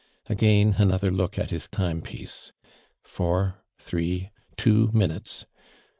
Again ano ther look at his time piece. Four — tlu ee — two minutes.